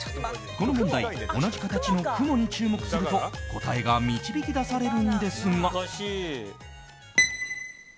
この問題同じ形の雲に注目すると答えが導き出されるんですが。